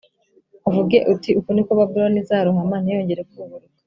uvuge uti uku ni ko Babuloni izarohama ntiyongere kuburuka